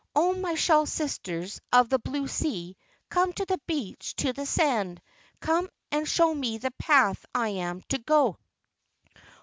Oh, my shell sisters of the blue sea, come to the beach, to the sand! Come and show me the path I am to go!